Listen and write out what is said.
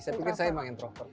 berarti saya memang introvert